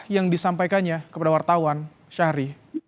yang disampaikannya kepada wartawan syahri